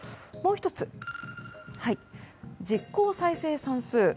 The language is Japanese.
もう１つ、実効再生産数。